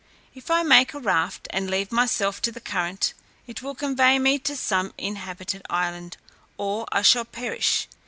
If I make a raft, and leave myself to the current, it will convey me to some inhabited country, or I shall perish.